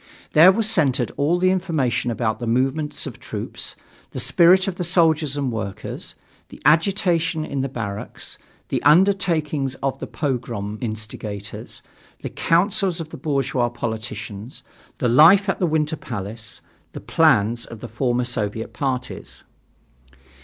There was centered all the information about the movements of the troops, the spirit of the soldiers and workers, the agitation in the barracks, the undertakings of the pogrom instigators, the councils of the bourgeois politicians, the life at the Winter Palace, the plans of the former Soviet parties.